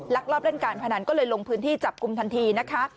ลอบเล่นการพนันก็เลยลงพื้นที่จับกลุ่มทันทีนะคะ